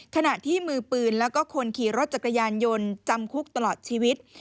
ขณะที่มือปืนแล้วก็คนขี่รถจักรยานยนต์จำคุกตลอดชีวิต